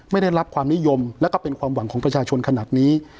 ได้รับความนิยมแล้วก็เป็นความหวังของประชาชนขนาดนี้